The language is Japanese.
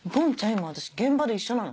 今私現場で一緒なの。